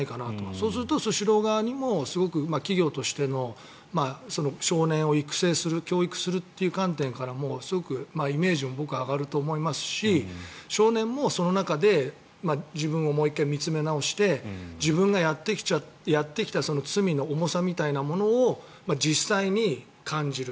そうすると、スシロー側にも企業としての少年を育成する教育するという観点からもすごくイメージが僕は上がると思いますし少年もその中で自分をもう１回見つめ直して自分がやってきたその罪の重さみたいなものを実際に感じる。